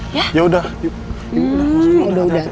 iya ya udah ibu pulang